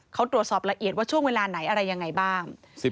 เขาตรวจสอบละเอียดว่าช่วงเวลาไหนอะไรยังไงบ้าง